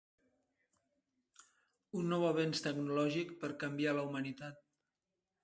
Un nou avenç tecnològic per canviar la humanitat.